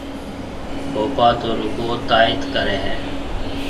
ڀوپا تو رُگو تائيٿ ڪريَ هيَ۔